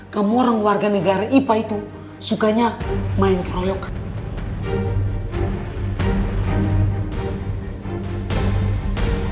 kamu orang warga negara ipa itu sukanya main keroyokan